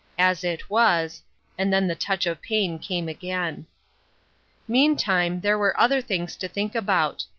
As it was — and then the touch of pain came again. Meantime, there were other things to think about.